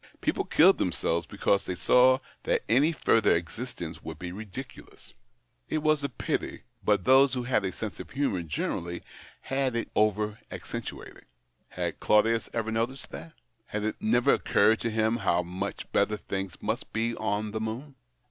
People killed themselves because they saw that any further existence would be ridiculous. It was a pity — but those who had a sense of humour generally had it over accentuated. Had Claudius ever noticed that ? And had it never occurred to him how much better things must be on the moon